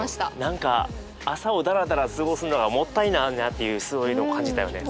何か朝をダラダラ過ごすのがもったいないなっていうそういうのを感じたよね今回ね。